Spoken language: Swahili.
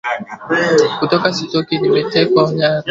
kutoka sitoki nimetekwa nyara